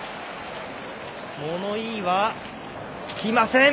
物言いは、つきません。